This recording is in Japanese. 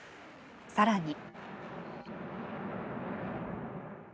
さらに。